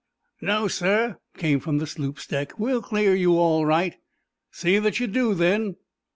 "No, sir," came from the sloop's deck. "We'll clear you all right." "See that you do, then!"